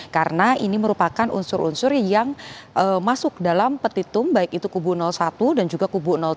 karena ini merupakan unsur unsur yang masuk dalam petitum baik itu kubu satu dan juga kubu tiga